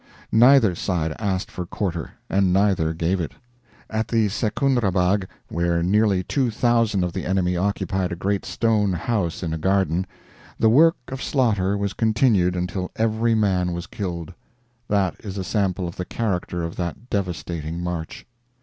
Neither side asked for quarter, and neither gave it. At the Secundrabagh, where nearly two thousand of the enemy occupied a great stone house in a garden, the work of slaughter was continued until every man was killed. That is a sample of the character of that devastating march.